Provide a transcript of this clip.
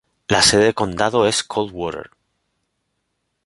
La sede de condado es Coldwater.